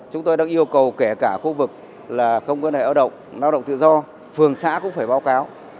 chúng tôi đang yêu cầu kể cả khu vực là không quan hệ hoạt động hoạt động tự do phường xã cũng phải báo cáo